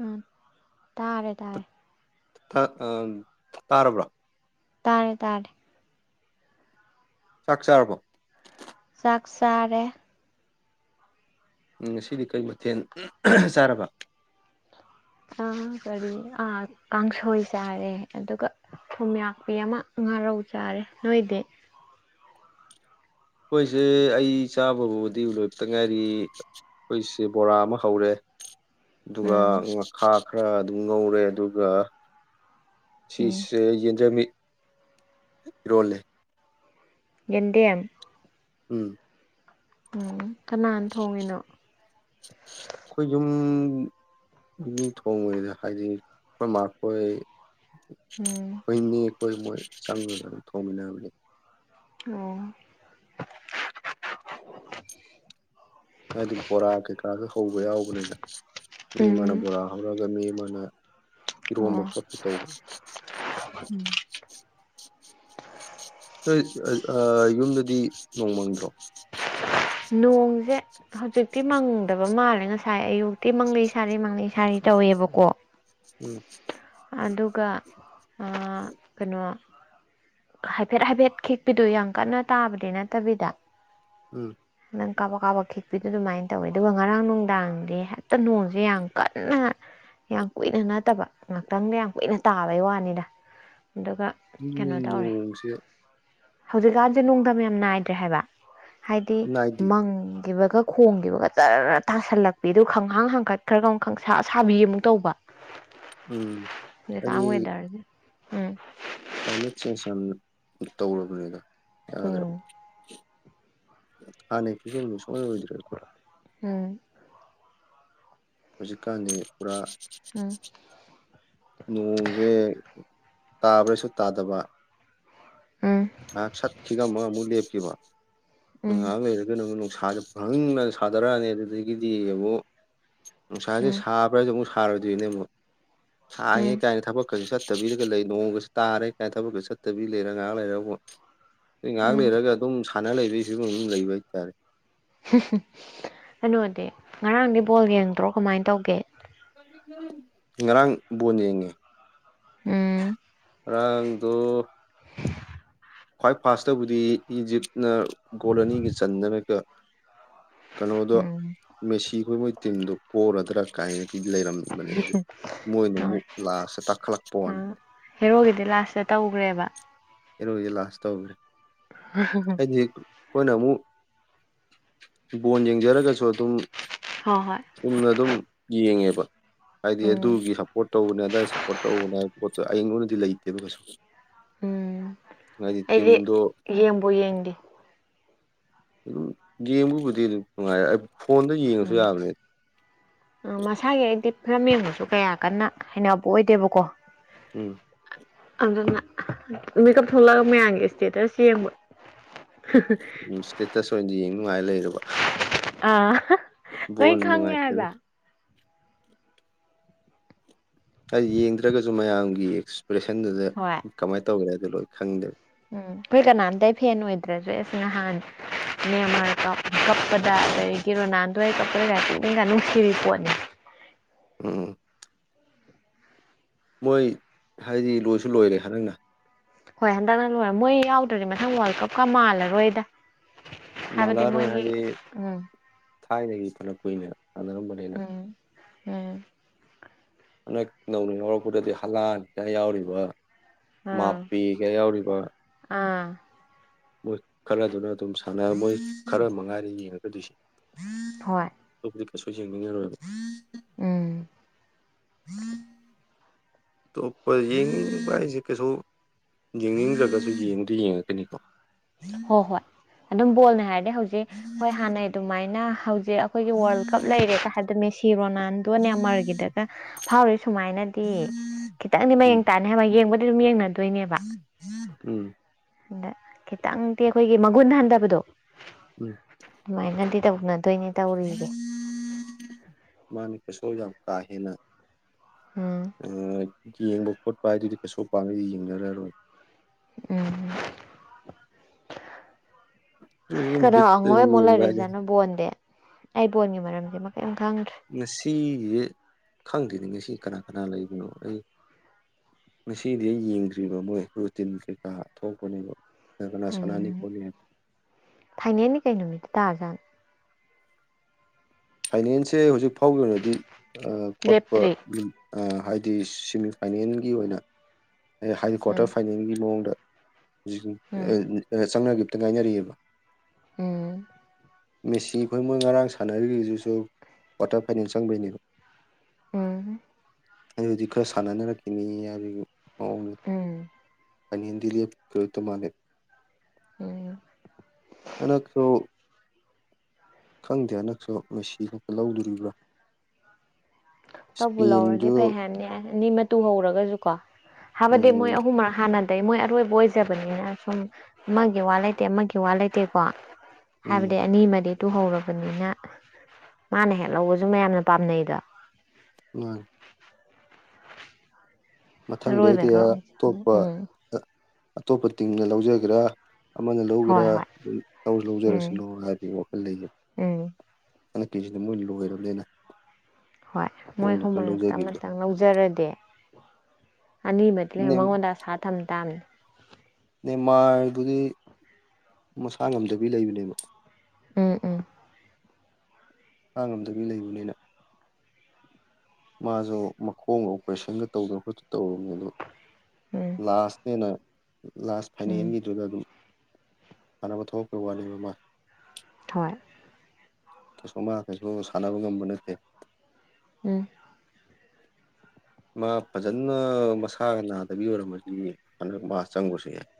ꯎꯝ ꯇꯥꯔꯦ ꯇꯥꯔꯦ ꯑ ꯑꯪ ꯇꯥꯔꯕ꯭ꯔꯣ ꯇꯥꯔꯦ ꯇꯥꯔꯦ ꯆꯥꯛ ꯆꯥꯔꯕꯣ ꯆꯥꯛ ꯆꯥꯔꯦ ꯉꯁꯤꯗꯤ ꯀꯩ ꯃꯊꯦꯜ ꯆꯥꯔꯕ ꯑ ꯀꯔꯤ ꯑ ꯀꯥꯡꯁꯣꯏ ꯆꯥꯔꯦ ꯑꯗꯨꯒ ꯊꯨꯝꯌꯥꯛꯄꯤ ꯑꯃ ꯉꯥꯔꯧ ꯆꯥꯔꯦ ꯅꯣꯏꯗꯤ ꯑꯩꯈꯣꯏꯁꯦ ꯑꯩ ꯆꯥꯕꯕꯨꯗꯤ ꯂꯣꯏꯔꯛꯇ ꯉꯥꯏꯔꯤ ꯑꯩꯈꯣꯏꯁꯦ ꯕꯣꯔꯥ ꯑꯃ ꯍꯧꯔꯦ ꯑꯗꯨꯒ ꯎꯝ ꯉꯈꯥ ꯈꯔ ꯑꯗꯨꯝ ꯉꯧꯔꯦ ꯑꯗꯨꯒ ꯎꯝ ꯉꯁꯤꯁꯦ ꯌꯦꯟꯗꯦꯝꯕꯤ ꯏꯔꯣꯜꯂꯦ ꯌꯦꯟꯗꯦꯝ ꯎꯝ ꯎꯝ ꯀꯅꯥꯅ ꯊꯣꯡꯉꯤꯅꯣ ꯑꯈꯣꯏ ꯌꯨꯝ ꯃꯤ ꯊꯣꯡꯕꯅꯤꯗ ꯍꯥꯏꯗꯤ ꯑꯈꯣꯏ ꯃꯥ ꯈꯣꯏ ꯎꯝ ꯑꯈꯣꯏ ꯅꯦ ꯈꯣꯏ ꯃꯣꯏ ꯆꯪꯉꯒ ꯊꯣꯡꯃꯤꯟꯅꯕꯅꯦ ꯑꯣ ꯍꯥꯏꯗꯤ ꯕꯣꯔꯥ ꯀꯩꯀꯥꯁꯨ ꯍꯧꯕ ꯌꯥꯎꯈ꯭ꯔꯦꯗ ꯃꯤ ꯑꯃꯅ ꯎꯝ ꯕꯣꯔꯥ ꯍꯧꯔꯒ ꯃꯤ ꯑꯃꯅ ꯏꯔꯣꯝꯕ ꯑꯣ ꯈꯣꯠꯄꯤ ꯇꯧꯕꯗꯣ ꯑ ꯌꯨꯝꯗꯗꯤ ꯅꯣꯡꯃꯪꯗ꯭ꯔꯣ ꯅꯣꯡꯁꯦ ꯍꯧꯖꯤꯛꯇꯤ ꯃꯪꯗꯕ ꯃꯥꯜꯂꯦ ꯉꯁꯥꯏ ꯑꯌꯨꯛꯇꯤ ꯃꯪꯂꯤ ꯁꯥꯔꯤ ꯃꯪꯂꯤ ꯁꯥꯔꯤ ꯇꯧꯋꯦꯕꯀꯣ ꯎꯝ ꯑꯗꯨꯒ ꯑ ꯀꯩꯅꯣ ꯍꯥꯏꯐꯦꯠ ꯍꯥꯏꯐꯦꯠ ꯈꯤꯛꯄꯤꯗꯣ ꯌꯥꯝ ꯀꯟꯅ ꯇꯥꯕꯗꯤ ꯅꯠꯇꯕꯤꯗ ꯎꯝ ꯅꯥꯍꯟ ꯀꯥꯕꯛ ꯀꯥꯕꯛ ꯈꯤꯛꯄꯤꯗ ꯑꯗꯨꯃꯥꯏꯅ ꯇꯧꯋꯦ ꯑꯗꯨꯒ ꯉꯔꯥꯡ ꯅꯨꯡꯗꯥꯡꯗꯤ ꯍꯦꯛꯇ ꯅꯣꯡꯁꯦ ꯌꯥꯝ ꯀꯟꯅ ꯌꯥꯝ ꯀꯨꯏꯅ ꯅꯠꯇꯕ ꯉꯥꯛꯇꯪꯗ ꯌꯥꯝ ꯀꯨꯏꯅ ꯇꯥꯕꯩ ꯋꯥꯅꯤꯗ ꯑꯗꯨꯒ ꯑꯗꯨꯗꯤ ꯀꯩꯅꯣ ꯇꯧꯔꯦ ꯅꯣꯡꯁꯦ ꯍꯧꯖꯤꯛꯀꯥꯟꯁꯦ ꯅꯨꯡꯗꯝ ꯌꯥꯝ ꯅꯥꯏꯗ꯭ꯔꯦ ꯍꯥꯏꯕ ꯍꯥꯏꯗꯤ ꯅꯥꯏꯗꯦ ꯃꯪꯈꯤꯕꯒ ꯈꯣꯡꯈꯤꯕꯒ ꯖꯔ ꯇꯥꯁꯤꯜꯂꯛꯄꯤ ꯑꯗꯨꯒ ꯈꯪꯍꯥꯡ ꯍꯥꯡꯀꯠ ꯈꯔꯒ ꯑꯃꯨꯛ ꯈꯪꯁꯥ ꯁꯥꯕꯤ ꯑꯃꯨꯛ ꯇꯧꯕ ꯎꯝ ꯍꯥꯏꯗꯤ ꯀꯥꯃꯦ ꯗꯔꯗ ꯀ꯭ꯂꯥꯏꯃꯦꯠ ꯆꯦꯟꯖ ꯌꯥꯝꯅ ꯇꯧꯔꯕꯅꯤꯗ ꯎꯝ ꯌꯥꯗ꯭ꯔꯕꯗꯤ ꯍꯥ ꯅ ꯁꯨꯝ ꯁꯃ ꯑꯣꯏꯔ ꯎꯝ ꯍꯧꯖꯤꯛꯀꯥꯟꯗꯤ ꯄꯨꯔꯥ ꯎꯝ ꯅꯣꯡꯁꯦ ꯇꯥꯕ꯭ꯔꯁꯨ ꯇꯥꯗꯕ ꯎꯝ ꯑ ꯆꯠꯈꯤꯒ ꯑꯃ ꯑꯃꯨꯛ ꯂꯦꯞꯈꯤꯕ ꯎꯝ ꯉꯥꯏꯍꯥꯛ ꯂꯩꯔꯒ ꯅꯪ ꯅꯨꯡꯁꯥꯖ ꯈꯪꯍꯅ ꯁꯥꯗꯔꯛꯑꯅꯤ ꯑꯗꯨꯗꯒꯤꯗꯤ ꯑꯃꯨꯛ ꯅꯨꯡꯁꯥꯁꯦ ꯎꯝ ꯁꯥꯕ ꯐꯖꯣꯡ ꯁꯥꯗꯦꯅꯕꯣ ꯁꯥꯡꯉꯦ ꯎꯝ ꯀꯥꯏꯅ ꯊꯕꯛꯀꯁꯨ ꯆꯠꯇꯕꯤꯔꯒ ꯂꯩ ꯅꯣꯡꯃꯒꯁꯨ ꯇꯥꯔꯦ ꯀꯥꯏꯅ ꯊꯕꯛꯀꯔ ꯆꯠꯇꯕꯤ ꯂꯩꯔ ꯉꯥꯏꯍꯥꯛ ꯂꯩꯔꯕꯨ ꯑꯩ ꯉꯥꯏꯍꯥꯛ ꯎꯝ ꯂꯩꯔꯒ ꯑꯗꯨꯝ ꯁꯥꯟꯅ ꯂꯩꯕꯒꯤ ꯁꯤꯒꯨꯝ ꯑꯗꯨꯝ ꯂꯩꯕ ꯍꯥꯏꯇꯥꯔꯦ ꯀꯩꯅꯣꯗꯤ ꯉꯔꯥꯡꯗꯤ ꯕꯣꯜ ꯌꯦꯡꯗ꯭ꯔꯣ ꯀꯃꯥꯏꯅ ꯇꯧꯒꯦ ꯏ ꯂꯥꯡ ꯄꯨꯖꯦ ꯎꯝ ꯔꯥꯡꯗꯣ ꯈ꯭ꯋꯥꯏ ꯐꯥꯁꯇꯕꯨꯗꯤ ꯏꯖꯤꯞꯅ ꯒꯣꯜ ꯑꯅꯤꯒ ꯆꯟꯅꯅꯕꯒ ꯀꯩꯅꯣꯗꯣ ꯎꯝ ꯃꯦꯁꯤꯈꯣꯏ ꯃꯣꯏ ꯇꯤꯝꯗꯣ ꯄꯔꯗ꯭ꯔꯥ ꯀꯥꯏꯉ ꯂꯩꯔꯝꯕꯅꯦ ꯑꯗꯨ ꯃꯣꯏꯅ ꯇꯧꯔꯦ ꯑꯃꯨꯛ ꯂꯥꯁꯇ ꯇꯥꯈꯠꯂꯛꯄ ꯋꯥꯅꯤ ꯎꯝ ꯍꯦꯔꯣꯒꯤꯗꯤ ꯂꯥꯁꯇ ꯇꯧꯈ꯭ꯔꯦꯕ ꯏꯔꯣꯏꯖꯤ ꯂꯥꯁ ꯇꯧꯈ꯭ꯔꯦ ꯍꯥꯏꯗꯤ ꯑꯩꯈꯣꯏꯅ ꯑꯃꯨꯛ ꯕꯣꯟ ꯌꯦꯡꯖꯔꯒꯁꯨ ꯑꯗꯨꯝ ꯍꯣꯏ ꯍꯣꯏ ꯆꯨꯝꯅ ꯑꯗꯨꯝ ꯌꯦꯡꯉꯦꯕ ꯍꯥꯏꯗꯤ ꯎꯝ ꯑꯗꯨꯒꯤ ꯁꯞꯄꯣꯔꯠ ꯇꯧꯕꯅꯦ ꯑꯗꯥꯋꯥꯏꯗ ꯁꯞꯄꯣꯔꯠ ꯇꯧꯕꯅꯦ ꯄꯣꯠ ꯑꯩꯉꯣꯟꯗꯗꯤ ꯂꯩꯇꯦꯕ ꯀꯩꯁꯨ ꯎꯝ ꯍꯥꯏꯗꯤ ꯑꯩꯗꯤ ꯇꯤꯝꯗꯣ ꯌꯦꯡꯕ ꯌꯦꯡꯗꯦ ꯑꯗꯨꯝ ꯌꯦꯡꯕꯕꯨꯗꯤ ꯑꯗꯨꯝ ꯅꯨꯡꯉꯥꯏꯔ ꯑꯩ ꯐꯣꯟꯗ ꯌꯦꯡꯉꯁꯨ ꯌꯥꯕꯅꯦ ꯎꯝ ꯃꯁꯥꯒꯤ ꯑꯩꯗꯤ ꯐꯤꯂꯝ ꯌꯦꯡꯕꯁꯨ ꯀꯌꯥ ꯀꯟꯅ ꯍꯕ ꯑꯣꯏꯗꯦꯕꯀꯣ ꯎꯝ ꯑꯗꯨꯅ ꯃꯦꯀꯞ ꯊꯣꯛꯂꯛꯑꯒ ꯃꯌꯥꯝꯒꯤ ꯏꯁꯇꯦꯇꯁ ꯌꯦꯡꯕ [unintelligible] ꯐꯦꯛꯇꯁ ꯑꯣꯏꯅꯗꯤ ꯌꯦꯡ ꯅꯨꯡꯉꯥꯏ ꯂꯩꯔꯕ ꯑꯥ ꯂꯣꯏ ꯕꯣꯣꯟ ꯈꯪꯉꯦ ꯅꯨꯡꯉꯥꯏꯇ ꯍꯥꯏꯕ ꯑꯩ ꯌꯦꯡꯗ꯭ꯔꯒꯁꯨ ꯃꯌꯥꯝꯒꯤ ꯑꯦꯛꯁꯄ꯭ꯔꯦꯁꯟꯗꯨꯗ ꯍꯣꯏ ꯀꯃꯥꯏꯅ ꯇꯧꯒꯦ ꯍꯥꯏꯗꯣ ꯂꯣꯏ ꯈꯪꯗꯦ ꯎꯝ ꯑꯩꯈꯣꯏ ꯀꯅꯥꯝꯇ ꯐꯦꯟ ꯑꯣꯏꯗ꯭ꯔꯁꯨ꯭ꯔꯦ ꯑꯁ ꯅꯍꯥꯟ ꯃꯦꯟꯃꯥꯔ ꯀꯞꯄꯗ ꯑꯗꯒꯤ ꯔꯣꯅꯥꯜꯗꯋꯥ ꯀꯞꯄꯗꯒ ꯄꯨꯅꯤꯡꯒ ꯅꯨꯡꯁꯤꯈꯤꯕ ꯄꯣꯠꯅꯤ ꯎꯝ ꯃꯣꯏ ꯍꯥꯏꯗꯤ ꯂꯣꯏꯁꯨ ꯂꯣꯏꯔꯦ ꯍꯟꯗꯪꯅ ꯍꯣꯏ ꯍꯟꯗꯛꯅ ꯂꯣꯏꯔꯦ ꯃꯣꯏ ꯌꯥꯎꯗ꯭ꯔꯗꯤ ꯃꯊꯪ ꯋꯥꯔꯜ ꯀꯞꯀ ꯃꯥꯜꯂꯔꯣꯏꯗ ꯍꯥꯏꯕꯗꯤ ꯃꯥꯜꯂꯛꯑꯔꯣꯏ ꯃꯣꯏꯒꯤ ꯍꯥꯏꯗꯤ ꯎꯝ ꯊꯥꯏꯅꯒꯤ ꯐꯅ ꯀꯨꯏꯅ ꯁꯥꯟꯅꯔꯝꯕꯅꯤꯅ ꯎꯝ ꯎꯝ ꯍꯟꯗꯛ ꯅꯧꯅ ꯌꯥꯎꯔꯛꯄꯗꯗꯤ ꯍꯂꯥꯟ ꯀꯌꯥ ꯌꯥꯎꯔꯤꯕ ꯎꯝ ꯃꯥꯄꯤ ꯀꯌꯥ ꯌꯥꯎꯔꯤꯕ ꯑꯥ ꯃꯣꯏ ꯈꯔꯗꯨꯅ ꯑꯗꯨꯝ ꯁꯥꯟꯅꯔ ꯃꯣꯏ ꯈꯔ ꯃꯉꯥꯏꯗ ꯌꯦꯡꯉꯒꯗꯣꯏꯁꯦ ꯍꯣꯏ ꯑꯗꯨꯕꯨꯗꯤ ꯀꯩꯁꯨ ꯌꯦꯡꯅꯤꯡꯉꯔꯣꯏ ꯎꯝ ꯑꯇꯣꯞꯄ ꯌꯦꯡꯅꯤꯡꯕ ꯍꯥꯏꯁꯦ ꯀꯩꯁꯨ ꯌꯦꯡꯅꯤꯡꯗ‌꯭ꯔꯒꯁꯨ ꯌꯦꯡꯗꯤ ꯌꯦꯡꯉꯛꯀꯅꯤꯀꯣ ꯍꯣꯏ ꯍꯣꯏ ꯑꯗꯨꯝ ꯕꯣꯜꯅꯦ ꯍꯥꯏꯔꯗꯤ ꯍꯧꯖꯤꯛ ꯍꯣꯏ ꯍꯥꯟꯅꯩ ꯑꯗꯨꯃꯥꯏꯅ ꯍꯧꯖꯤꯛ ꯑꯩꯈꯣꯏꯒꯤ ꯋꯥꯔꯜ ꯀꯞ ꯂꯩꯔꯦ ꯀ ꯍꯥꯏꯕꯗ ꯃꯦꯁꯤ ꯔꯣꯅꯥꯟꯗꯣ ꯅꯦꯃꯔꯒꯤꯗ ꯐꯥꯎꯔꯤ ꯁꯨꯃꯥꯏꯅꯗꯤ ꯈꯤꯇꯪꯗꯤ ꯎꯝ ꯃꯌꯦꯡ ꯇꯥꯅꯤ ꯍꯥꯏꯕ ꯌꯦꯡꯕꯗꯤ ꯑꯗꯨꯝ ꯌꯦꯡꯅ ꯗꯨꯏꯅꯦꯕ ꯎꯝ ꯑꯗ ꯈꯤꯇꯪꯗꯤ ꯑꯩꯈꯣꯏꯒꯤ ꯃꯒꯨꯟ ꯍꯟꯊꯕꯗꯣ ꯎꯝ ꯑꯗꯨꯃꯥꯏꯅꯗꯤ ꯇꯧꯅꯗꯣꯏꯅꯦ ꯇꯧꯔꯤꯖ‌ꯦ ꯃꯥꯅꯦ ꯀꯩꯁꯨ ꯌꯥꯝ ꯀꯥꯍꯦꯅ ꯎꯝ ꯌꯦꯡꯕ ꯈꯣꯠꯄ ꯍꯥꯏꯗꯨꯗꯤ ꯀꯩꯁꯨ ꯄꯥꯛꯅꯗꯤ ꯌꯦꯡꯅꯔꯔꯣꯏ ꯎꯝ ꯑꯗꯨꯝ ꯀꯗ ꯕꯤꯠꯇ ꯑꯉꯣꯏꯃꯨꯛ ꯌꯦꯡꯕ ꯍꯥꯏꯗꯤ ꯂꯥꯏꯔꯤꯖꯥꯠꯅ‌ꯣ ꯕ‌ꯣꯜꯗꯤ ꯑꯩ ꯕꯣꯟꯒꯤ ꯃꯔꯝꯁꯤꯃ ꯀꯩꯝ ꯈꯪꯗ꯭ꯔꯦ ꯉꯁꯤꯁꯦ ꯈꯪꯗ‌ꯦꯅꯤ ꯉꯁꯤ ꯀꯅꯥ ꯀꯅꯥ ꯂꯩꯕꯅꯣ ꯑꯩ ꯉꯁꯤꯗꯤ ꯌꯦꯡꯗ꯭ꯔꯤꯕ ꯃꯣꯏ ꯔꯨꯇꯤꯟ ꯀꯩꯀꯥ ꯊꯣꯛꯄꯅꯦꯕ ꯀꯅꯥ ꯀꯅꯥ ꯁꯥꯟꯅꯥꯅꯤ ꯈꯣꯠꯅꯤ ꯍꯥꯏꯕ ꯐꯥꯏꯅꯦꯟꯗꯤ ꯀꯩ ꯅꯨꯃꯤꯠꯇ ꯇꯥꯖꯥꯟ ꯐꯥꯏꯅꯦꯟꯁꯦ ꯍꯧꯖꯤꯛ ꯐꯥꯎꯒꯤ ꯑꯣꯏꯅꯗꯤ ꯈꯣꯠꯄ ꯂꯦꯞꯇ꯭ꯔꯤ ꯍꯥꯏꯗꯤ ꯁꯤꯃꯤꯐꯥꯏꯅꯦꯟꯒꯤ ꯑꯣꯏꯅ ꯍꯥꯏꯗꯤ ꯎꯝ ꯀ꯭ꯋꯥꯔꯇꯔ ꯐꯥꯏꯅꯦꯜꯒꯤ ꯃꯑꯣꯡꯗ ꯍꯧꯖꯤꯛ ꯎꯝ ꯆꯪꯅꯒꯤꯝꯇ ꯉꯥꯏꯅꯔꯤꯑꯕ ꯎꯝ ꯃꯦꯁꯤ ꯈꯣꯏ ꯃꯣꯏ ꯉꯔꯥꯡ ꯁꯥꯟꯅꯔꯤꯗꯨꯁꯨ ꯀ꯭ꯋꯥꯇꯔ ꯐꯥꯏꯅꯦꯜ ꯆꯪꯕꯩꯅꯦꯕ ꯎꯝ ꯑꯩ ꯍꯧꯖꯤꯛ ꯈꯔ ꯁꯥꯟꯅꯅꯔꯛꯈꯤꯅꯤ ꯍꯥꯏꯕꯒꯤ ꯃꯑꯣꯡꯅꯤ ꯎꯝ ꯐꯥꯏꯅ‌ꯦꯟꯗꯤ ꯂ‌ꯦꯞꯈꯤꯔ‌ꯣꯏꯇ ꯃꯥꯅꯦ ꯎꯝ ꯍꯟꯗꯛꯁꯨ ꯈꯪꯗꯦ ꯍꯟꯗꯛꯁꯨ ꯃ‌ꯦꯁꯤꯅ ꯂꯧꯗꯣꯔꯤꯕ꯭ꯔꯥ ꯂꯧꯕꯨ ꯂꯧꯔꯗꯤ ꯏꯁꯄꯦꯟꯁꯨ ꯐꯩ ꯍꯥꯏꯕꯅꯤ ꯑꯅꯤ ꯃꯇꯨ ꯍꯧꯔꯒꯁꯨ ꯀꯣ ꯍꯥꯏꯕꯗꯤ ꯃꯣꯏ ꯎꯝ ꯑꯍꯨꯝꯔ ꯍꯥꯟꯅ ꯗꯩ ꯃꯣꯏ ꯑꯔꯣꯏꯕ ꯑꯣꯏꯖꯕꯅꯤꯅ ꯁꯨꯝ ꯑꯃꯒꯤ ꯋꯥ ꯂꯩꯇꯦ ꯑꯃꯒꯤ ꯋꯥ ꯂꯩꯇꯦꯀꯣ ꯎꯝ ꯍꯥꯏꯕꯗꯤ ꯑꯅꯤꯃꯗꯤ ꯇꯨꯍꯧꯔꯕꯅꯤꯅ ꯃꯥꯅ ꯍꯦꯛ ꯂꯧꯕꯁꯨ ꯃꯌꯥꯝꯅ ꯄꯥꯝꯅꯩꯗꯣ ꯃꯥꯅꯤ ꯃꯊꯪꯗꯩꯗꯤ ꯑꯔꯣꯏꯕꯒ ꯑꯣꯏꯖꯕꯅꯤ ꯑꯇꯣꯞꯄ ꯎꯝ ꯑꯇꯣꯞꯄ ꯇꯤꯡꯅ ꯂꯧꯖꯒꯦꯔꯥ ꯑꯃꯅ ꯂꯧꯒꯦꯔꯥ ꯍꯣꯏ ꯍꯣꯏ ꯑꯗꯨꯝ ꯂꯧ ꯎꯝ ꯂꯧꯖꯔꯁꯅꯨ ꯍꯥꯏꯕꯒꯤ ꯋꯥꯈꯜ ꯂꯩꯒ ꯎꯝ ꯍꯟꯗꯛꯀꯤꯖꯤꯗꯤ ꯃꯣꯏ ꯂꯣꯏꯔꯕꯅꯤꯅ ꯍꯣꯏ ꯃꯣꯏ ꯃꯣꯏꯅ ꯈꯔ ꯑꯍꯨꯝꯃꯔꯛꯇ ꯂꯧꯖꯈꯤꯕꯗꯣ ꯑꯃꯇꯪ ꯂꯧꯖꯔꯗꯤ ꯑꯅꯤꯃ [unintelligible] ꯅꯦꯝ ꯃꯉꯣꯟꯗ ꯑꯁꯥ ꯊꯝ ꯇꯥꯝꯅꯤ ꯅꯦꯃꯥꯔꯕꯨꯗꯤ ꯃꯁꯥ ꯉꯝꯗꯕꯤ ꯂꯩꯕꯅꯦꯕ ꯎꯝ ꯎ ꯃꯁꯥ ꯉꯝꯗꯕꯤ ꯂꯩꯕꯅꯤꯅ ꯃꯥꯁꯨ ꯃꯈꯣꯡꯒ ꯑꯣꯄꯔꯦꯁꯟꯒ ꯇꯧꯗꯅ ꯈꯣꯠꯇ ꯇꯧꯔꯨꯕꯅꯤ ꯑꯗꯨ ꯎꯝ ꯂꯥꯁꯅꯦꯅ ꯂꯥꯁ ꯎꯝ ꯐꯥꯏꯅꯦꯜꯒꯤꯗꯨꯗ ꯑꯗꯨꯝ ꯁꯥꯟꯅꯕ ꯊꯣꯛꯂꯛꯄꯩ ꯋꯥꯅ‌ꯦꯕ ꯃ ꯊꯣꯏ ꯀꯩꯁꯨ ꯃꯥ ꯀꯩꯁꯨ ꯁꯥꯟꯅꯕ ꯉꯝꯕ ꯅꯠꯇꯦ ꯎꯝ ꯃꯥ ꯐꯖꯅ ꯃꯁꯥꯒ ꯅꯥꯗꯕꯤ ꯑꯣꯏꯔꯝꯃꯗꯤ ꯍꯟꯗꯛ ꯃꯥ ꯆꯪꯕꯁꯨ ꯌꯥꯏ [inaudible]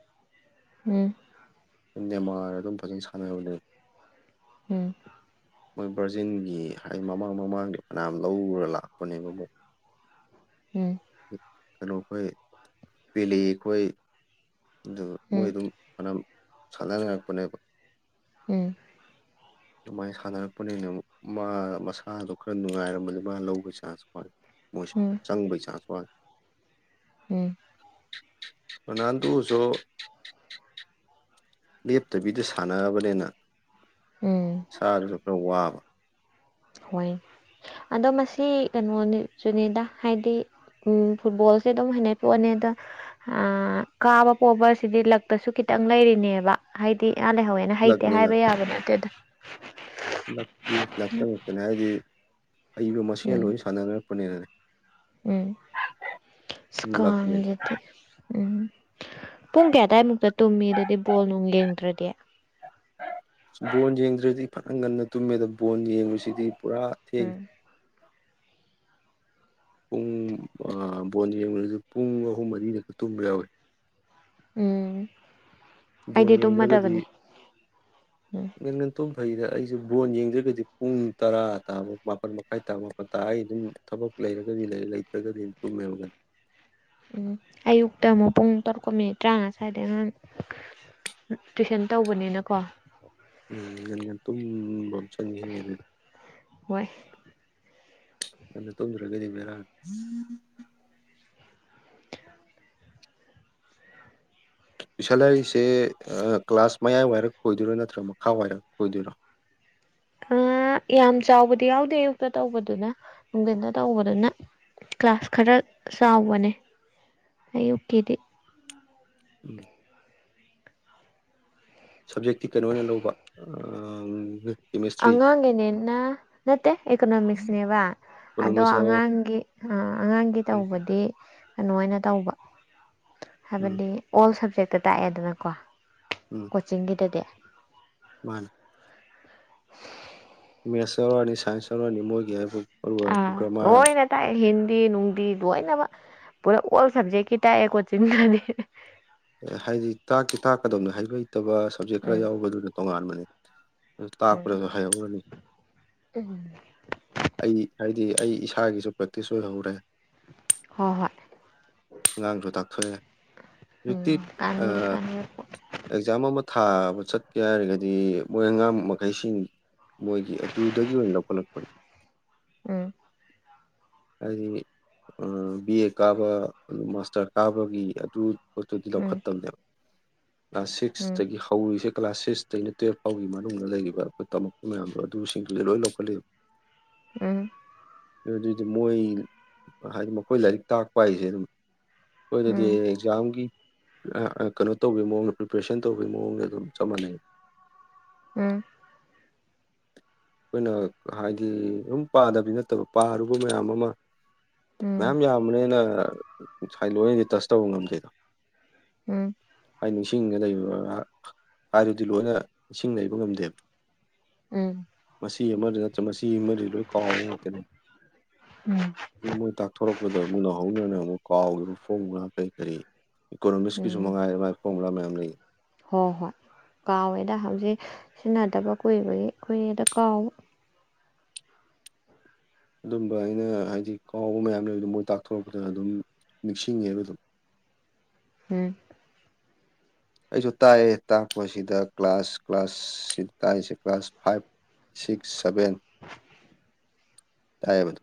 ꯎꯝ ꯅ‌ꯦꯃꯥꯔ ꯑꯗꯨꯝ ꯐꯖꯅ ꯁꯥꯟꯅꯕꯅ‌ꯦ ꯎꯝ ꯃꯣꯏ ꯕꯔꯖꯤꯟꯒꯤ ꯍꯥꯏꯗꯤ ꯃꯃꯥꯡ ꯃꯃꯥꯡꯗꯤ ꯐꯅꯌꯥꯝ ꯂꯧꯔ ꯂꯥꯛꯄꯅꯦꯕ ꯃ‌ꯣꯏ ꯎꯝ ꯀꯩꯅꯣ ꯈꯣꯏ ꯄꯦꯜꯂꯤ ꯈꯣꯏ ꯑꯗꯨ ꯎꯝ ꯃꯣꯏ ꯑꯗꯨꯝ ꯐꯅꯌꯥꯝ ꯁꯟꯅ ꯂꯥꯛꯄꯅꯦꯕ ꯎꯝ [unintelligible] ꯑꯗꯨꯃꯥꯏꯅ ꯁꯥꯟꯅꯔꯛꯄꯅꯤꯅ ꯃꯥ ꯃꯁꯥꯗꯣ ꯈꯔ ꯅꯨꯡꯉꯥꯏꯔꯝꯕꯗꯤ ꯃꯥ ꯂꯧꯕꯒꯤ ꯆꯥꯟꯁꯀꯣ ꯃꯣꯏ ꯆꯪꯕꯩ ꯆꯥꯡꯁ ꯋꯥꯡꯉꯤ ꯎꯝ ꯔꯣꯅꯥꯜꯗꯣꯁꯨ ꯂꯦꯞꯇꯕꯤꯗ ꯁꯥꯟꯅꯔꯕꯅꯤꯅ ꯎꯝ ꯃꯁꯥ ꯗꯨꯁꯨ ꯈꯔ ꯋꯥꯕ ꯍꯣꯏ ꯑꯗꯣ ꯃꯁꯤ ꯀꯩꯅꯣꯅꯤ ꯁꯨꯅꯤꯗ ꯍꯥꯏꯗꯤ ꯎꯝ ꯐꯨꯠꯕꯣꯜꯁꯦ ꯑꯗꯨꯝ ꯍꯩꯅꯩ ꯄꯣꯠꯅꯤꯗ ꯑ ꯀꯥꯕ ꯄꯣꯕꯁꯤꯗꯤ ꯂꯛꯇꯁꯨ ꯈꯤꯇꯪ ꯂꯩꯔꯤꯅꯦꯕ ꯍꯥꯏꯗꯤ ꯃꯥ ꯂꯩꯍꯧꯋꯦ ꯍꯩꯇꯦ ꯂꯛꯅꯦ ꯍꯥꯏꯕ ꯌꯥꯕ ꯅꯠꯇꯦꯗ ꯂ ꯂꯥꯛꯇ ꯉꯥꯛꯇꯅ‌ꯦ ꯍꯥꯏꯗꯤ ꯍꯩꯕ ꯃꯁꯦꯟ ꯎꯝ ꯂꯣꯏ ꯁꯥꯟꯅꯔꯛꯄꯅꯤꯅꯅꯦ ꯎꯝ ꯂꯛꯅꯦ ꯁꯀꯥꯟꯖꯗꯤ ꯎꯝ ꯄꯨꯡ ꯀꯌꯥ ꯑꯗꯥꯏꯃꯨꯛꯇ ꯇꯨꯝꯃꯤ ꯑꯗꯨꯗꯤ ꯕꯣꯜ ꯅꯨꯡ ꯌꯦꯡꯗ꯭ꯔꯗꯤ ꯕꯣꯜ ꯌꯦꯡꯗ꯭ꯔꯗꯤ ꯐꯅ ꯉꯟꯅ ꯇꯨꯝꯃꯦꯗ ꯕꯣꯟ ꯌꯦꯡꯕꯁꯤꯗꯤ ꯄꯨꯔꯥ ꯊꯦꯡꯉꯤ ꯎꯝ ꯄꯨꯡ ꯑꯥ ꯕꯣꯜ ꯌꯦꯡꯉꯨꯔꯗꯤ ꯄꯨꯡ ꯑꯍꯨꯝ ꯃꯔꯤꯗꯒ ꯇꯨꯝꯕ ꯌꯥꯎꯏ ꯎꯝ ꯕꯣꯟ ꯑꯩꯗꯤ ꯇꯨꯝꯃꯗꯕꯅꯦ ꯎꯝ ꯉꯟꯅ ꯇꯨꯝꯕ ꯐꯩꯗ ꯑꯩꯁꯨ ꯕꯣꯟ ꯌꯦꯡꯗꯔꯒꯗꯤ ꯄꯨꯡ ꯇꯔꯥ ꯇꯥꯕ ꯃꯥꯄꯟ ꯃꯈꯥꯏ ꯇꯥ ꯃꯥꯄꯟ ꯇꯥ ꯑꯩ ꯑꯗꯨꯝ ꯊꯕꯛ ꯂꯩꯔꯒꯗꯤ ꯂꯩꯔ‌ꯦ ꯂꯩꯇ꯭ꯔꯒꯗꯤ ꯑꯗꯨꯝ ꯇꯨꯝꯃꯦꯕ ꯗꯨꯝ ꯎꯝ ꯑꯌꯨꯛꯇ ꯑꯃꯨꯛ ꯄꯨꯡ ꯇꯔꯨꯛꯀ ꯃꯤꯅꯤꯠ ꯇꯔꯥꯉꯥ ꯁ꯭ꯋꯥꯏꯗ ꯑꯉꯥꯡ ꯇꯨꯋꯏꯁꯟ ꯇꯧꯕꯅꯤꯅꯀꯣ ꯎꯝ ꯉꯟ ꯉꯟꯅ ꯇꯨꯝꯕ ꯑꯃ ꯆꯪꯏ ꯑꯗꯨꯗꯤ ꯍꯣꯏ ꯉꯟꯅ ꯇꯨꯝꯗꯔꯒꯗꯤ ꯕꯦꯔꯅꯤ ꯇꯨꯏꯁꯟ ꯍꯥꯏꯔꯤꯁꯦ ꯀ꯭ꯂꯥꯁ ꯃꯌꯥꯏ ꯋꯥꯏꯔꯝ ꯑꯣꯏꯗꯣꯏꯔꯣ ꯅꯠꯇ꯭ꯔꯒ ꯃꯈꯥ ꯋꯥꯏꯔꯝ ꯑꯣꯏꯗꯣꯏꯔꯣ ꯑ ꯌꯥꯝ ꯆꯥꯎꯕꯗꯤ ꯌꯥꯎꯗꯦ ꯑꯌꯨꯛꯇ ꯇꯧꯕꯗꯨꯅ ꯅꯨꯡꯊꯤꯟꯗ ꯇꯧꯕꯗꯨꯅ ꯀ꯭ꯂꯥꯁ ꯈꯔ ꯆꯥꯎꯕꯅꯦ ꯑꯌꯨꯛꯀꯤꯗꯤ ꯎꯝ ꯁꯞꯖꯦꯛꯇꯤ ꯀꯩꯅꯣ ꯑꯣꯏꯅ ꯂꯧꯕ ꯑꯥ ꯀꯦꯃꯤꯁꯇ꯭ꯔꯤ ꯑꯉꯥꯡꯒꯤꯅꯤꯅ ꯅꯠꯇꯦ ꯏꯀꯣꯅꯣꯃꯤꯛꯁꯅꯦꯕ ꯑꯗꯣ ꯏꯀꯣꯅꯣꯃꯤꯛꯁ ꯑꯣ ꯑꯉꯥꯡꯒꯤ ꯑ ꯑꯉꯥꯡꯒꯤ ꯇꯧꯕꯗꯤ ꯑꯗꯨ ꯃꯥꯏꯅ ꯇꯧꯕ ꯎꯝ ꯍꯥꯏꯕꯗꯤ ꯑꯣꯜ ꯁꯝꯖꯦꯛꯇ ꯇꯥꯛꯑꯦꯗꯅꯀꯣ ꯎꯝ ꯀꯣꯆꯤꯡꯒꯤꯗꯗꯤ ꯃꯥꯅꯦ ꯃꯦꯠꯁ ꯌꯥꯎꯔꯛꯑꯅꯤ ꯁꯥꯏꯟꯁ ꯌꯥꯎꯔꯛꯑꯅꯤ ꯃꯣꯏꯒꯤ ꯍꯥꯏꯕꯕꯨ ꯃꯔꯨ ꯑꯣꯏꯔꯛꯄ ꯑꯥ ꯒ꯭ꯔꯥꯃꯥꯔꯁ ꯂꯣꯏꯅ ꯇꯥꯛꯑꯦ ꯍꯤꯟꯗꯤ ꯅꯨꯡꯗꯤ ꯂꯣꯏꯅꯃꯛ ꯄꯨꯔꯥ ꯑꯣꯜ ꯁꯕꯖꯦꯛꯀꯤ ꯇꯥꯛꯑꯦ ꯀꯣꯆꯤꯟꯗꯗꯤ ꯑꯦ ꯍꯥꯏꯗꯤ ꯇꯥꯛꯀꯤ ꯇꯥꯛꯀꯗꯧꯅꯦ ꯍꯩꯕ ꯍꯩꯇꯕ ꯁꯕꯖꯦꯛ ꯈꯔ ꯎꯝ ꯌꯥꯎꯕꯗꯨꯅ ꯇꯣꯉꯥꯟꯕꯅꯤ ꯎꯝ ꯇꯥꯛꯄꯗ ꯍꯩꯍꯧꯔꯅꯤ ꯎꯝ ꯑꯩ ꯍꯥꯏꯕꯗꯤ ꯑꯩ ꯏꯁꯥꯒꯤꯁꯨ ꯄ꯭ꯔꯦꯛꯇꯤꯁ ꯑꯣꯏꯍꯧꯔꯦ ꯍꯣꯏ ꯍꯣꯏ ꯑꯉꯥꯡꯁꯨ ꯇꯥꯛꯊꯣꯛꯑꯦ ꯎꯝ ꯀꯥꯟꯗꯤ ꯑ [unintelligible] ꯀꯥꯟꯅꯩ ꯑꯦꯛꯖꯥꯝ ꯑꯃ ꯊꯥꯕ ꯆꯠꯀꯦ ꯍꯥꯏꯔꯒꯗꯤ ꯃꯣꯏ ꯑꯉꯝ ꯃꯈꯩ ꯁꯤꯡ ꯃꯣꯏꯒꯤ ꯑꯗꯨꯗꯒꯤ ꯑꯣꯏꯅ ꯂꯧꯈꯠꯂꯛꯄꯅꯤ ꯎꯝ [unintelligible] ꯍꯥꯏꯗꯤ ꯕꯤ ꯑꯦ ꯀꯥꯕ ꯑꯗꯨ ꯃꯥꯁꯇꯔ ꯀꯥꯕꯒꯤ ꯑꯗꯨ ꯄꯣꯠꯇꯨꯗꯤ ꯎꯝ ꯂꯧꯈꯠꯇꯕꯅꯦꯕ ꯀ꯭ꯂꯥꯁ ꯎꯝ ꯁꯤꯛꯁꯇꯒꯤ ꯍꯧꯔꯤꯁꯦ ꯀ꯭ꯂꯥꯁ ꯁꯤꯛꯁꯇꯩꯅ ꯇꯨꯌꯦꯦꯜꯞ ꯐꯥꯎꯒꯤ ꯃꯅꯨꯡꯗ ꯂꯩꯔꯤꯕ ꯑꯩꯈꯣꯏ ꯇꯝꯃꯛꯄ ꯃꯌꯥꯝꯗꯣ ꯑꯗꯨꯁꯤꯡꯗꯨꯗꯤꯦ ꯂꯣꯏ ꯂꯧꯈꯠꯂꯤꯕ [inaudible] ꯎꯝ ꯑꯗꯨ ꯑꯗꯨꯑꯣꯏꯗꯤ ꯃꯣꯏ ꯍꯥꯏꯗꯤ ꯃꯈꯣꯏ ꯂꯥꯏꯔꯤꯛ ꯇꯥꯛꯄ ꯍꯥꯏꯁꯦ ꯑꯗꯨꯝ ꯍꯣꯏ ꯑꯗꯨꯗꯤ ꯎꯝ ꯑꯦꯛꯖꯥꯝꯒꯤ ꯀꯩꯅꯣ ꯇꯧꯕꯒꯤ ꯃꯑꯣꯡꯗ ꯄ꯭ꯔꯤꯄꯦꯔꯦꯁꯟ ꯇꯧꯕꯒꯤ ꯃꯑꯣꯡꯗ ꯑꯗꯨꯝ ꯆꯞ ꯃꯥꯟꯅꯩ ꯎꯝ [inaudible] ꯑꯩꯈꯣꯏꯅ ꯍꯥꯏꯗꯤ ꯑꯗꯨꯝ ꯄꯥꯗꯕꯤꯗꯤ ꯅꯠꯇꯕ ꯄꯥꯔꯨꯕ ꯃꯌꯥꯝ ꯑꯃ ꯃꯌꯥꯝ ꯌꯥꯝꯕꯅꯦꯅ ꯉꯁꯥꯏ ꯂꯣꯏꯅꯗꯤ ꯇꯁ ꯇꯧꯕ ꯉꯝꯗꯦꯗꯣ ꯎꯝ ꯍꯥꯏ ꯅꯤꯡꯁꯤꯡꯉ ꯂꯩꯕ ꯍꯥꯏꯔꯗꯤ ꯂꯣꯏꯅ ꯅꯤꯡꯁꯤꯡꯅ ꯂꯩꯕ ꯉꯝꯗꯦꯕ ꯎꯝ ꯁꯤ ꯑꯃꯗ ꯅꯠꯇ꯭ꯔ ꯃꯁꯤ ꯑꯃꯗꯤ ꯂꯣꯏ ꯀꯥꯎꯕ ꯉꯥꯛꯇꯅꯤ ꯎꯝ ꯃꯣꯏ ꯇꯥꯛꯊꯣꯔꯛꯄꯗ ꯑꯃꯨꯛ ꯅꯧꯍꯧꯅꯅ ꯑꯃꯨꯛ ꯀꯥꯎꯒꯤꯕ ꯐꯣꯃꯨꯂꯥ ꯀꯔꯤ ꯀꯔꯤ ꯏꯀꯣꯅꯣꯃꯤꯛꯁꯀꯤꯁꯨ ꯎꯝ ꯃꯉꯥꯏ ꯃꯥꯏ ꯐꯣꯡꯕ꯭ꯔꯥ ꯃꯌꯥꯝ ꯂꯩꯌꯦ ꯍꯣꯏ ꯍꯣꯏ ꯀꯥꯎꯋꯦꯗ ꯍꯧꯖꯤꯛ ꯁꯤꯖꯤꯟꯅꯗꯕ ꯀꯨꯏꯕꯒꯤ ꯀꯨꯏꯔꯦꯗ ꯀꯥꯎ ꯑꯗꯨꯝꯕ ꯑꯩꯅ ꯍꯥꯏꯗꯤ ꯀꯥꯎꯕ ꯃꯌꯥꯝ ꯂꯩꯕꯗ ꯃꯣꯏ ꯇꯥꯛꯊꯣꯔꯛꯄꯗ ꯑꯗꯨꯝ ꯅꯤꯡꯁꯤꯡꯉꯦꯕ ꯑꯗꯨꯝ ꯎꯝ ꯑꯩꯁꯨ ꯇꯥꯛꯑꯦ ꯇꯥꯛꯄꯁꯤꯗ ꯀ꯭ꯂꯥꯁ ꯀ꯭ꯂꯥꯁ ꯁꯤ ꯇꯥꯛꯏꯁꯦ ꯀ꯭ꯂꯥꯁ ꯐꯥꯏꯚ ꯁꯤꯛꯁ ꯁꯚꯦꯟ [unintelligible] ꯇꯥꯏꯌꯦꯕꯗꯣ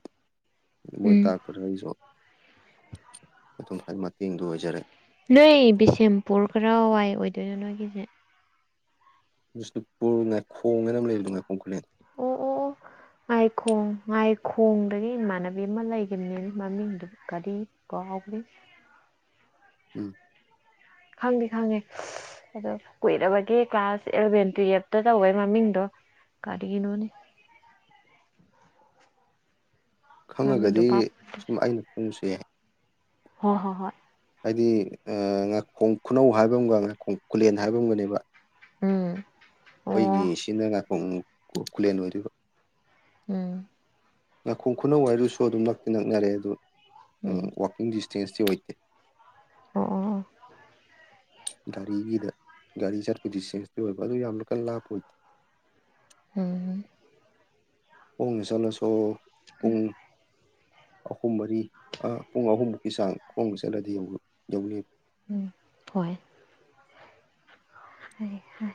ꯃꯣꯏ ꯎꯝ ꯇꯥꯛꯄꯗꯨ ꯑꯩꯁꯨ ꯑꯗꯨꯝ ꯃꯇꯦꯡꯗꯨ ꯑꯣꯏꯖꯔꯦ ꯅꯣꯏ ꯕꯤꯁꯦꯝꯄꯨꯔ ꯀꯔꯥꯋꯥꯏ ꯑꯣꯏꯗꯣꯏꯅꯣ ꯅꯣꯏꯒꯤꯁꯦ ꯕꯤꯁꯅꯨꯄꯨꯔ ꯉꯥꯏꯈꯣꯡ ꯍꯥꯏꯅ ꯂꯩꯔꯤꯗ ꯉꯥꯏꯈꯣꯡ ꯈꯨꯂꯦꯟ ꯑꯣ ꯑꯣ ꯑꯣ ꯉꯥꯏꯈꯣꯡ ꯉꯥꯏꯈꯣꯡꯗꯒꯤ ꯏꯃꯥꯟꯅꯕꯤ ꯑꯃ ꯂꯩꯒꯤꯝꯅꯤꯅꯦ ꯃꯃꯤꯡꯗꯨ ꯀꯔꯤ ꯀꯥꯎꯒ꯭ꯔ‌ꯦ ꯎꯝ ꯈꯪꯗꯤ ꯈꯪꯉꯦ ꯑꯗꯣ ꯀꯨꯏꯔꯕꯒꯦ ꯀ꯭ꯂꯥꯁ ꯑꯦꯂꯚꯦꯟ ꯇꯨꯌꯦꯜꯐꯇ ꯇꯧꯕꯋꯩ ꯃꯃꯤꯡꯗꯣ ꯀꯔꯤꯅꯣꯅꯦ ꯃꯃꯤꯡꯗꯣ ꯈꯪꯉꯒꯗꯤ ꯚꯥꯞ ꯁꯨꯝ ꯑꯩꯅ ꯈꯪꯉꯨꯁꯨ ꯌꯥꯏ ꯍꯣꯏ ꯍꯣꯏ ꯍꯣꯏ ꯍꯥꯏꯗꯤ ꯉꯥꯏꯈꯣꯡ ꯈꯨꯅꯧ ꯍꯥꯏꯕ ꯑꯃꯒ ꯉꯥꯏꯈꯣꯡ ꯈꯨꯂꯦꯟ ꯍꯥꯏꯕ ꯑꯃꯒꯅꯦꯕ ꯎꯝ ꯑꯣ ꯑꯩꯈꯣꯏꯒꯤ ꯁꯤꯅ ꯉꯥꯀꯣꯡ ꯈꯨꯂꯦꯟ ꯑꯣꯏꯗ‌ꯣꯏꯕ ꯎꯝ ꯉꯅꯥꯈꯣꯡ ꯈꯨꯅꯧ ꯍꯥꯏꯏꯔꯁꯨ ꯑꯗꯨꯝ ꯅꯛꯇꯤ ꯅꯛꯅꯔꯦ ꯑꯗꯨ ꯎꯝ ꯋꯥꯛꯀꯤꯡ ꯗꯤꯁꯇꯦꯟꯁꯇꯤ ꯑꯣꯏꯗꯦ ꯑꯣ ꯑꯣ ꯑꯣ ꯒꯥꯔꯤꯒꯤꯗ ꯒꯥꯔꯤ ꯆꯠꯄ ꯗꯤꯁꯇꯦꯟꯁꯇꯤ ꯑꯣꯏꯕ ꯑꯗꯨ ꯌꯥꯝꯅ ꯀꯟꯅ ꯂꯥꯞꯄ ꯑꯣꯏꯗꯦ ꯎꯝ ꯍ ꯆꯂꯣ ꯁꯣ ꯑ ꯑꯍꯨꯝ ꯃꯔꯤ ꯄꯨꯡ ꯑꯍꯨꯝꯃꯨꯛꯀꯤ ꯆꯥꯡ ꯈꯣꯡꯕ ꯆꯠꯂꯗꯤ ꯌ ꯌꯧ ꯎꯝ ꯍꯣꯏ ꯍ ꯍꯣꯏ